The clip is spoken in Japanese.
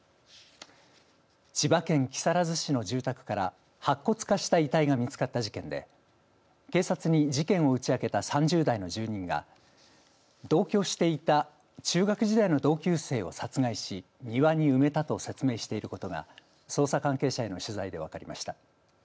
千葉県木更津市の住宅から白骨化した遺体が見つかった事件で警察に事件を打ち明けた３０代の住人が同居していた中学時代の同級生を殺害し庭に埋めたと説明していることが捜査関係者への取材で分かりました